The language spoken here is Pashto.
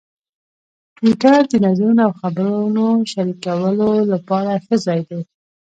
ټویټر د نظرونو او خبرونو شریکولو لپاره ښه ځای دی.